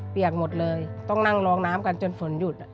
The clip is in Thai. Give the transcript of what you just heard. หมดเลยต้องนั่งรองน้ำกันจนฝนหยุด